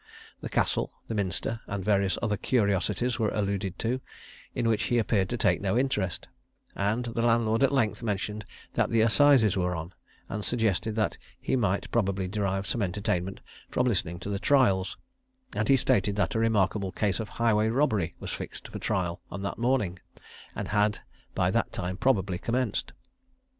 The castle, the minster, and various other curiosities were alluded to, in which he appeared to take no interest; and the landlord at length mentioned that the assizes were on, and suggested that he might probably derive some entertainment from listening to the trials; and he stated that a remarkable case of highway robbery was fixed for trial on that morning, and had by that time probably commenced.